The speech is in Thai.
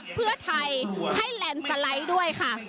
เพื่อไทยให้แลนด์สไลด์ด้วยค่ะ